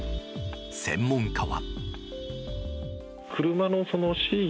専門家は。